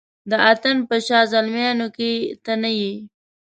د اتڼ په شاه زلمیانو کې ته نه یې